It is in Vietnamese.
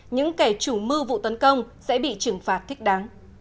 những kẻ chủ mưu vụ tấn công sẽ bị trừng phạt thích đáng